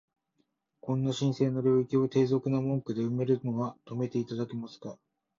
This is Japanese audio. この神聖な領域を、低俗な文句で埋めるのは止めて頂けますか？